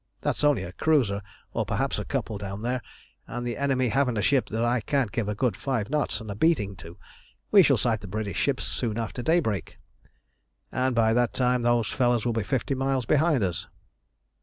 That's only a cruiser, or perhaps a couple, down there, and the enemy haven't a ship that I can't give a good five knots and a beating to. We shall sight the British ships soon after daybreak, and by that time those fellows will be fifty miles behind us."